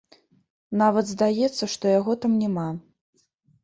Нават здаецца, што яго там няма.